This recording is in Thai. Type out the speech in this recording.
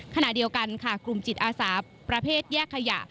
ขณะเดียวกันค่ะกลุ่มจิตอาสาประเภทแยกขยะ